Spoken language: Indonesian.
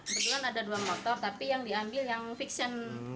ternyata ada dua motor tapi yang diambil yang fixen